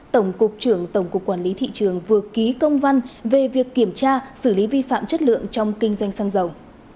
tổng cục trưởng tổng cục quản lý thị trường vừa ký công văn về việc kiểm tra xử lý vi phạm chất lượng trong kinh doanh xăng dầu